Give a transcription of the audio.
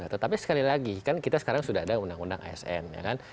tetapi sekali lagi kan kita sekarang sudah ada undang undang asn ya kan